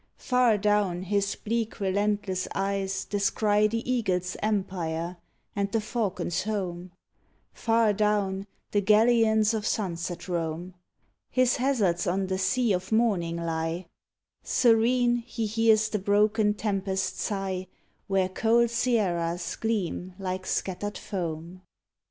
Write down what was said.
Far down his bleak, relentless eyes descry The eagle's empire and the falcon's home — Far down, the galleons of sunset roam; His hazards on the sea of morning lie; Serene, he hears the broken tempest sigh Where cold sierras gleam like scattered foam.